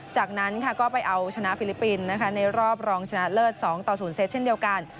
จากนั้นก็ไปเอาชนะฟิลิปปินส์ในรอบรองชนะเลิศ๒ต่อ๐เซตเช่นเดียวกัน